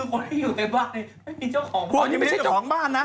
คนที่อยู่ในบ้านไม่มีเจ้าของเพราะอันนี้ไม่ใช่เจ้าของบ้านนะ